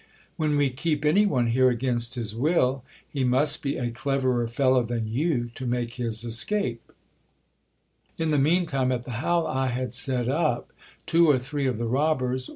When we keep any one here against his will, he must be a cleverer fellow than you to make his escape. In the mean time, at the howl I had set up two or three of the robbers GIL BLAS PLAYS THE HYPOCRITE.